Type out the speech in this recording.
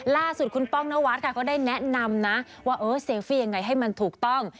ล่าสุดคุณป้องนวัดค่ะเขาได้แนะนำนะว่าเออเซลฟี่ยังไงให้มันถูกต้อง